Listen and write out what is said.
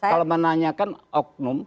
kalau menanyakan oknum